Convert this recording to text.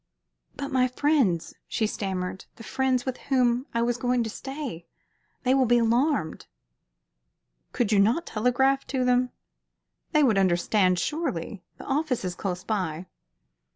"But my friends," she stammered "the friends with whom I was going to stay they will be alarmed." "Could you not telegraph to them? They would understand, surely. The office is close by."